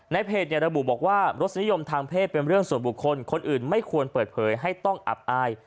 เพจระบุบอกว่ารสนิยมทางเพศเป็นเรื่องส่วนบุคคลคนอื่นไม่ควรเปิดเผยให้ต้องอับอาย